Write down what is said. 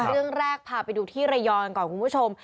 เรื่องแรกพาไปดูที่ระยองก่อนคุณผู้ชม